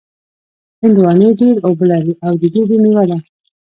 هندوانې ډېر اوبه لري او د دوبي مېوه ده.